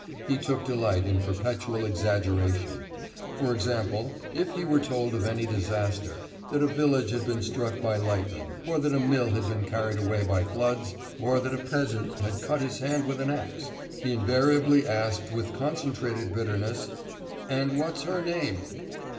He took delight in perpetual exaggeration. For example, if he were told of any disaster, that a village had been struck by lightning, or that a mill had been carried away by floods, or that a peasant had cut his hand with an axe, he invariably asked with concentrated bitterness, 'And what's her name?